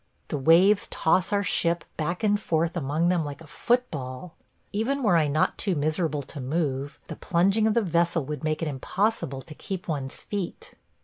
The waves toss our ship back and forth among them like a football. Even were I not too miserable to move, the plunging of the vessel would make it impossible to keep one's feet.